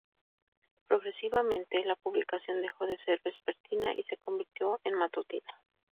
Progresivamente, la publicación dejó de ser vespertina y se convirtió en matutina.